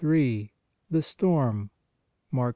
THE STORM Mark 4.